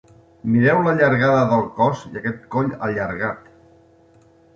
Mireu la llargada del cos i aquest coll allargat.